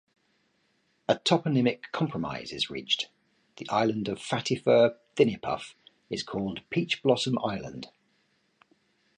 A toponymic compromise is reached: the island of "Fattyfer-Thinipuff" is called "Peachblossom Island".